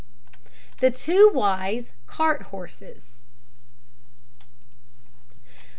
THE TWO WISE CART HORSES.